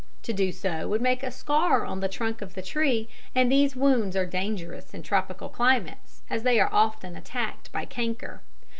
To do so would make a scar on the trunk of the tree, and these wounds are dangerous in tropical climates, as they are often attacked by canker.